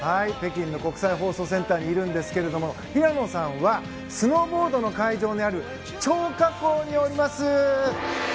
北京の国際放送センターにいるんですけれども平野さんはスノーボードの会場である張家口におります。